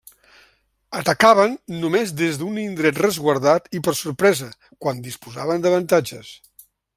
Atacaven només des d'un indret resguardat i per sorpresa, quan disposaven d'avantatges.